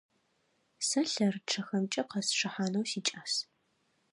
Сэ лъэрычъэхэмкӀэ къэсчъыхьанэу сикӀас.